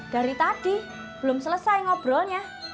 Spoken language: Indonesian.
dari tadi belum selesai ngobrolnya